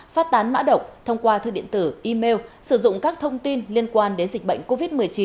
phát tán mã độc thông qua thư điện tử email sử dụng các thông tin liên quan đến dịch bệnh covid một mươi chín